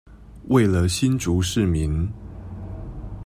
為了新竹市民